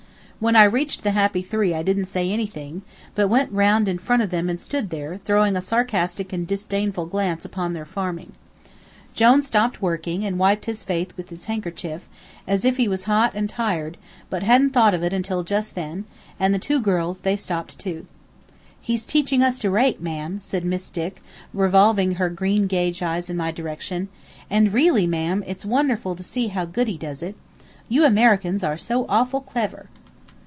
When I reached the happy three I didn't say anything, but went round in front of them and stood there, throwing a sarcastic and disdainful glance upon their farming. Jone stopped working, and wiped his face with his handkerchief, as if he was hot and tired, but hadn't thought of it until just then, and the two girls they stopped too. "He's teaching us to rake, ma'am," said Miss Dick, revolving her green gage eyes in my direction, "and really, ma'am, it's wonderful to see how good he does it. You Americans are so awful clever!"